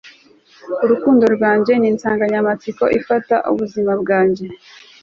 urukundo rwanjye ninsanganyamatsiko ifata ubuzima bwanjye